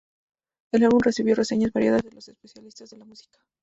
El álbum recibió reseñas variadas de los especialistas de la música.